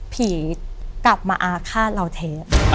ผีกลับมาอาฆาตเราเทป